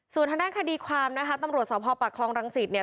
ส่วนทางด้านคดีความตำรวจสวพพลักษณ์คลองรังสิทธิ์